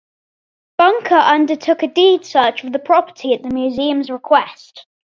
Bunker undertook a deed search of the property at the museum's request.